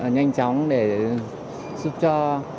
nhanh chóng để giúp cho